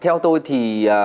theo tôi thì